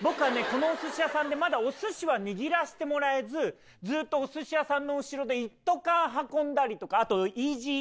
このお寿司屋さんでまだお寿司は握らしてもらえずずっとお寿司屋さんの後ろで一斗缶運んだりとかあとＥＧＧ？